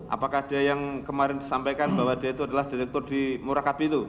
apakah dia yang kemarin disampaikan bahwa dia itu adalah direktur di murakabi itu